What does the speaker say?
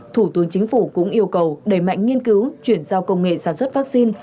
thủ tướng chính phủ cũng yêu cầu đẩy mạnh nghiên cứu chuyển giao công nghệ sản xuất vaccine